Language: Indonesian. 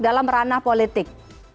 dalam ranah politik